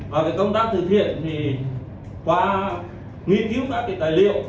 và về công tác từ thiện thì qua nghiên cứu các tài liệu